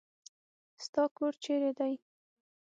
ستا کور چیرې دی؟